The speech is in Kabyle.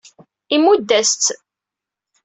Imudd-as-tt.